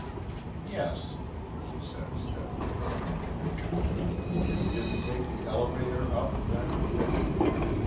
"Yes," she said steadily. "You didn't take the elevator up, then?"